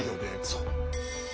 そう。